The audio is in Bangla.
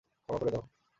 ক্ষমা করে দাও।